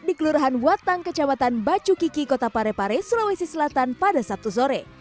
di kelurahan watang kecamatan bacukiki kota parepare sulawesi selatan pada sabtu sore